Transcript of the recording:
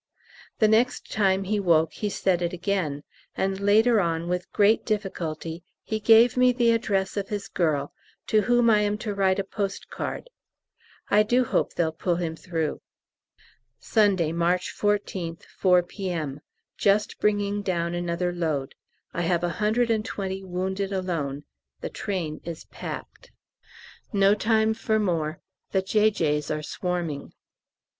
The next time he woke he said it again, and later on with great difficulty he gave me the address of his girl, to whom I am to write a post card. I do hope they'll pull him through. Sunday, March 14th, 4 P.M. Just bringing down another load. I have a hundred and twenty wounded alone; the train is packed. No time for more the J.J.'s are swarming.